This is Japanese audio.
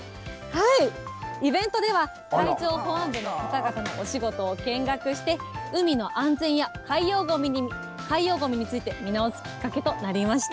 イベントでは、海上保安部の方々のお仕事を見学して、海の安全や海洋ごみについて見直すきっかけとなりました。